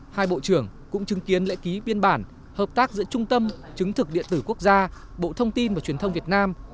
hai bộ trưởng cũng chứng kiến lễ ký biên bản hợp tác giữa trung tâm chứng thực điện tử quốc gia bộ thông tin và truyền thông việt nam